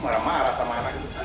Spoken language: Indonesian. marah marah sama anak itu